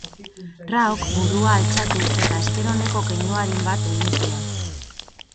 Raok burua altxatu eta esker oneko keinu arin bat egin zion.